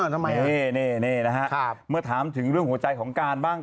ทำไมนี่นะฮะเมื่อถามถึงเรื่องหัวใจของการบ้าง